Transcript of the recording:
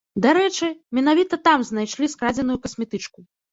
Дарэчы, менавіта там знайшлі скрадзеную касметычку.